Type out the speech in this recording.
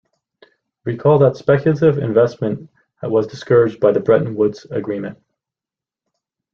Recall that speculative investment was discouraged by the Bretton Woods agreement.